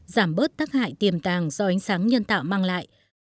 giảm bớt tác hại tiềm tàng do ánh sáng nhân tạo mang lại